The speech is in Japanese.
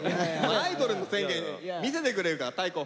アイドルの宣言見せてくれるから大光。